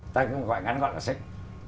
ta gọi ngắn gọi là sách